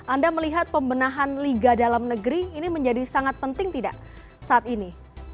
anda melihat pembenahan liga dalam negeri ini menjadi sangat penting tidak saat ini